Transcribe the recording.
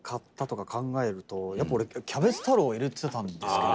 やっぱ、俺、キャベツ太郎入れてたんですけど。